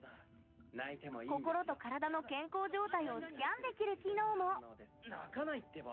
心と体の健康状態をスキャンできる機能も泣かないってば。